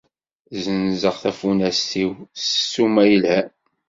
Zzenzeɣ tafunast-iw s suma yelhan.